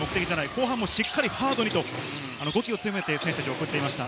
後半もしっかりハードにと語気を強めて、選手たちを送っていました。